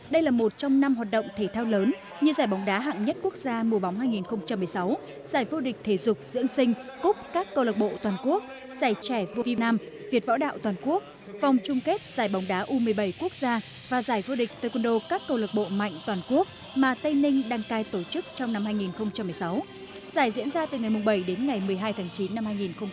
đây là một trong năm hoạt động thể thao lớn như giải bóng đá hạng nhất quốc gia mùa bóng hai nghìn một mươi sáu giải vô địch thể dục diễn sinh cúp các câu lạc bộ toàn quốc giải trẻ vua việt nam việt võ đạo toàn quốc vòng chung kết giải bóng đá u một mươi bảy quốc gia và giải vô địch tây côn đô các câu lạc bộ mạnh toàn quốc mà tây ninh đăng cai tổ chức trong năm hai nghìn một mươi sáu giải diễn ra từ ngày bảy đến ngày một mươi hai tháng chín năm hai nghìn một mươi sáu